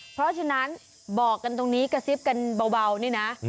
เพราะฉะนั้นบอกกันตรงนี้กระซิบกันเบานี่นะ